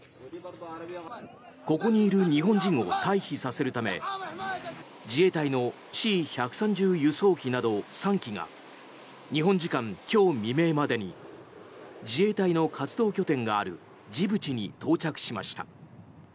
ここにいる日本人を退避させるため自衛隊のＣ１３０輸送機など３機が日本時間今日未明までに自衛隊の活動拠点があるジブチに到着しました。